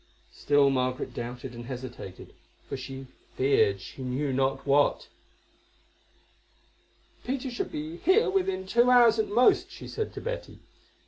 Still Margaret doubted and hesitated, for she feared she knew not what. "Peter should be here within two hours at most," she said to Betty.